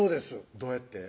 どうやって？